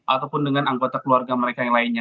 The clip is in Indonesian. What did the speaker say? ataupun dengan anggota keluarga mereka yang lainnya